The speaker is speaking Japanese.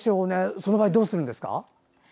その場合どうするんですか？